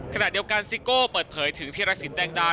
ขณะเดียวกันสิโก้เปิดเผยถึงที่รักษิตแดงดา